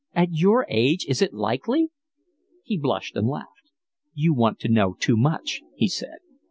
"At your age is it likely?" He blushed and laughed. "You want to know too much," he said.